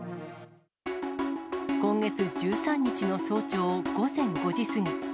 今月１３日の早朝午前５時過ぎ。